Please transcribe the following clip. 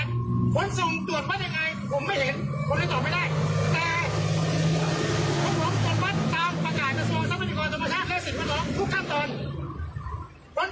ขนส่งตรวจวัดยังไงผมไม่เห็นผมก็ตอบไม่ได้